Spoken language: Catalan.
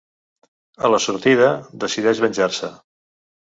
A la sortida, decideix venjar-se.